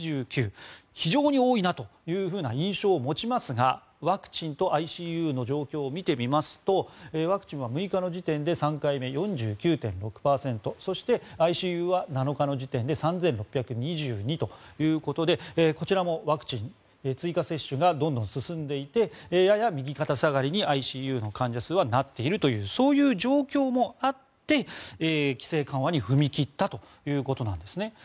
非常に多いなという印象を持ちますがワクチンとＩＣＵの状況を見てみますとワクチンは６日の時点で３回目４９．６％そして、ＩＣＵは７日時点で３６２２人ということでこちらもワクチンの追加接種がどんどん進んでいてやや右肩下がりにＩＣＵの患者数はなっているというそういう状況もあって規制緩和に踏み切ったということなんです。